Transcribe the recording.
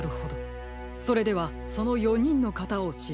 それではその４にんのかたをしらべることにしましょう。